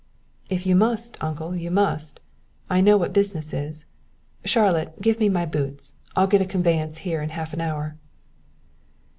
"If you must, uncle, you must. I know what business is. Charlotte, give me my boots, I'll get a conveyance here in half an hour."